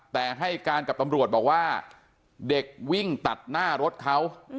แต่ให้การกับตำรวจบอกว่าเด็กวิ่งตัดหน้ารถเขา